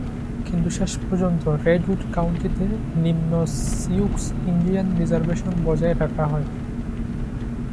কিন্তু শেষ পর্যন্ত রেডউড কাউন্টিতে নিম্ন সিউক্স ইন্ডিয়ান রিজার্ভেশন বজায় রাখা হয়।